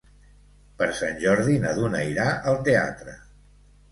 Per Sant Jordi na Duna irà al teatre.